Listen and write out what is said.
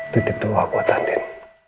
titip doa buat anin